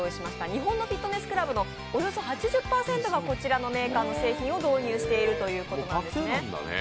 日本のフィットネスクラブのおよそ８０％がこちらの製品を導入してるということですね。